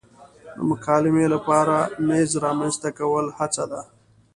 د مکالمې لپاره میز رامنځته کول هڅه ده.